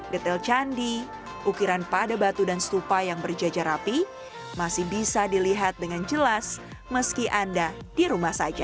detail candi ukiran pada batu dan stupa yang berjajar rapi masih bisa dilihat dengan jelas meski anda di rumah saja